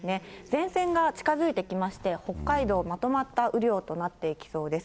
前線が近づいてきまして、北海道まとまった雨量となっていきそうです。